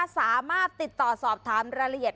สามารถติดต่อสอบถามรายละเอียด